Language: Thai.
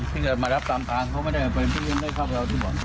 พี่ก็มารับตามทางเขาไม่ได้เป็นพี่ยังได้ครับเราที่บ่อน